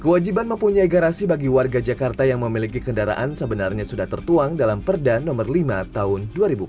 kewajiban mempunyai garasi bagi warga jakarta yang memiliki kendaraan sebenarnya sudah tertuang dalam perda no lima tahun dua ribu empat belas